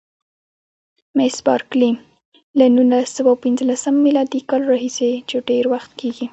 مس بارکلي: له نولس سوه پنځلسم میلادي کال راهیسې چې ډېر وخت کېږي.